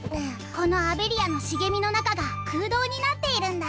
このアベリアの茂みの中が空洞になっているんだ。